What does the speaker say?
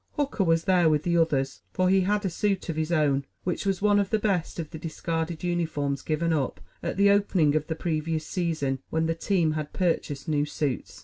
Hooker was there with the others, for he had a suit of his own, which was one of the best of the discarded uniforms given up at the opening of the previous season when the team had purchased new suits.